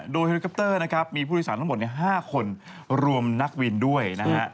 โดยฮิลลูกัปเตอร์มีผู้โดยสารทั้งหมด๕คนรวมนักวินด้วย